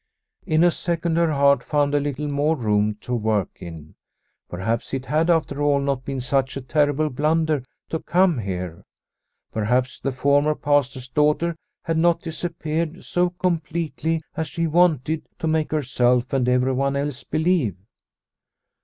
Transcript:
In a second her heart found a little more room to work in. Perhaps it had, after all, not been such a terrible blunder to come here. Perhaps the former Pastor's daughter had not disap peared so completely as she wanted to make herself and everyone else believe.